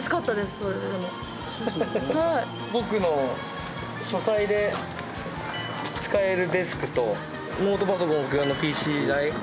僕の書斎で使えるデスクとノートパソコン置く用のＰＣ台。